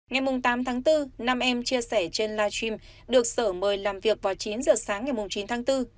ngày tám tháng bốn năm em chia sẻ trên live stream được sở mời làm việc vào chín giờ sáng ngày chín tháng bốn